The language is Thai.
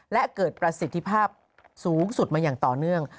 และเกิดประสิทธิภาพสูงสุดมาอย่างต่อเนื่อง